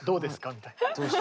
みたいな。